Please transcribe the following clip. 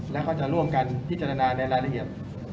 แล้วก็จะร่วมกันพิจารณาในรายละเอียด